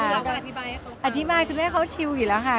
คุณอะไรอธิบายให้เขาค่ะ